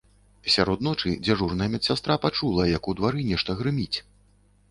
Сярод ночы дзяжурная медсястра пачула, як у двары нешта грыміць.